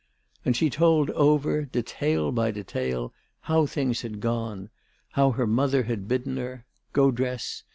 And she told over, detail by detail, how things had gone, how her mother had bidden her: "Go dress.